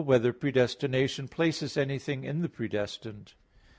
2] Whether Predestination Places Anything in the Predestined?